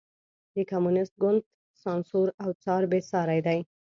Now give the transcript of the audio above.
د کمونېست ګوند سانسور او څار بېساری دی.